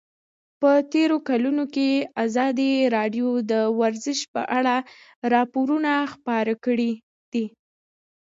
په تېرو کلونو کې ازادي راډیو د ورزش په اړه راپورونه خپاره کړي دي.